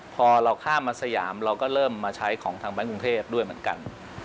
พอเราข้ามมาสยามเราก็เริ่มมาใช้ของทางแบงค์กรุงเทพด้วยเหมือนกัน